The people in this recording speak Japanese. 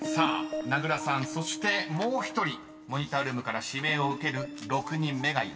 ［名倉さんそしてもう１人モニタールームから指名を受ける６人目がいます］